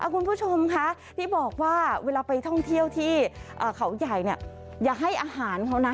คุณผู้ชมคะที่บอกว่าเวลาไปท่องเที่ยวที่เขาใหญ่เนี่ยอย่าให้อาหารเขานะ